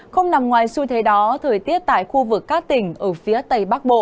không nằm ngoài xu thế đó thời tiết tại khu vực các tỉnh ở phía tây bắc bộ